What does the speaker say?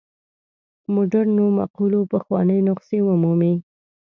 مډرنو مقولو پخوانۍ نسخې ومومي.